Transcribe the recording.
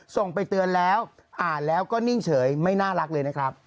ส่งไปเตือนแล้วอ่านแล้วก็นิ่งเฉยไม่น่ารักเลยนะครับ